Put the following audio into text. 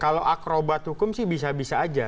kalau akrobat hukum sih bisa bisa aja